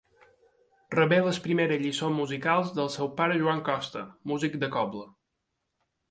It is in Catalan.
Rebé les primeres lliçons musicals del seu pare Joan Costa, músic de cobla.